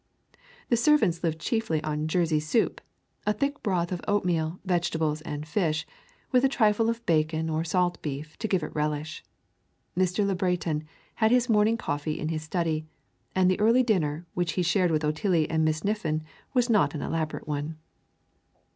The servants lived chiefly on "Jersey soup," a thick broth of oatmeal, vegetables, and fish, with a trifle of bacon or salt beef to give it a relish. Mr. Le Breton had his morning coffee in his study, and the early dinner, which he shared with Otillie and Miss Niffin, was not an elaborate one.